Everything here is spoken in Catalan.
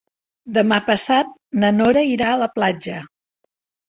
Demà passat na Nora irà a la platja.